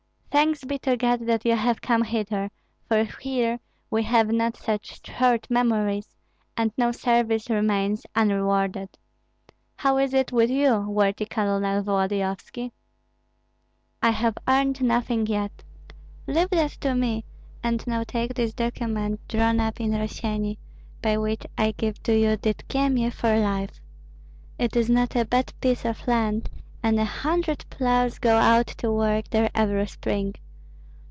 Thanks be to God that you have come hither, for here we have not such short memories, and no service remains unrewarded. How is it with you, worthy Colonel Volodyovski?" "I have earned nothing yet." "Leave that to me, and now take this document, drawn up in Rossyeni, by which I give you Dydkyemie for life. It is not a bad piece of land, and a hundred ploughs go out to work there every spring.